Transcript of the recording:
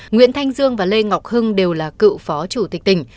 nguyễn thanh dương và lê ngọc hưng đều là cựu phó chủ tịch tỉnh